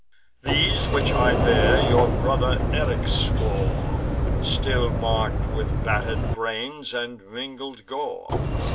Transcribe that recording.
These which I bear your brother Eryx bore, Still mark'd with batter'd brains and mingled gore.